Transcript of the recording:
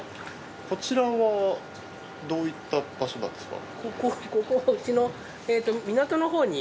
こちらはどういった場所なんですか？